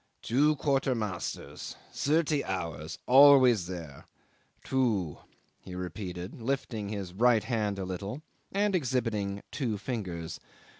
"Two quartermasters thirty hours always there. Two!" he repeated, lifting up his right hand a little, and exhibiting two fingers.